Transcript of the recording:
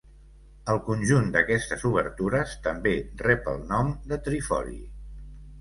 El conjunt d'aquestes obertures també rep el nom de trifori.